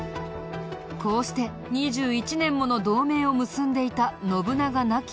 こうして２１年もの同盟を結んでいた信長亡き